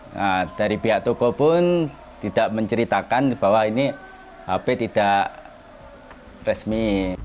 nah dari pihak toko pun tidak menceritakan bahwa ini hp tidak resmi